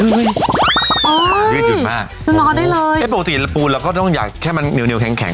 เฮ้ยยืดหยุ่นมากนอนได้เลยปกติหลักปูเราก็ต้องอยากแค่มันเหนียวเหนียวแข็งแข็ง